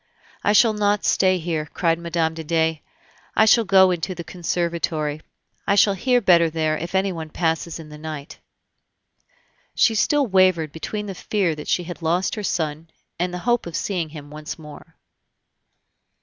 "I shall not stay here," cried Mme. de Dey; "I shall go into the conservatory; I shall hear better there if anyone passes in the night." She still wavered between the fear that she had lost her son and the hope of seeing him once more.